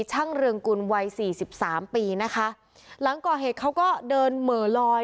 ช่างเรืองกุลวัยสี่สิบสามปีนะคะหลังก่อเหตุเขาก็เดินเหม่อลอย